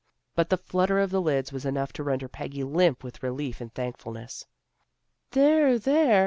But the flutter of the lids was enough to render Peggy limp with relief and thankfulness. " There! There!